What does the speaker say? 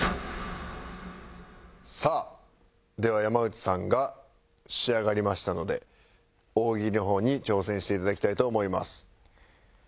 さあでは山内さんが仕上がりましたので大喜利の方に挑戦して頂きたいと思います。